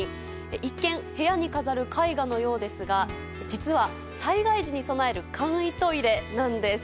一見、部屋に飾る絵画のようですが実は、災害時に備える簡易トイレなんです。